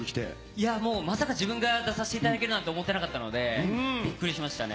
いや、もうまさか自分が出させていただけるなんて思ってなかったので、びっくりしましたね。